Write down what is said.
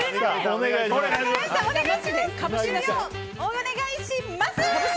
お願いします！